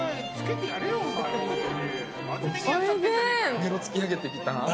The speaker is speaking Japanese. メロ突き上げてきた？